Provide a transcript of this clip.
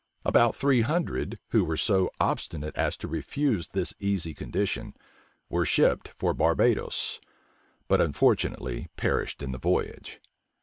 About three hundred, who were so obstinate as to refuse this easy condition, were shipped for Barbadoes; but unfortunately perished in the voyage.